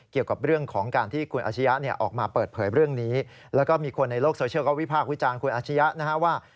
เกี่ยวกับเรื่องของการที่คุณอาชียะเนี่ยออกมาเปิดเผยเรื่องนี้แล้วก็มีคนในโลกโซเชียลก็วิพากษ์วิจารณ์คุณอาชียะนะฮะว่า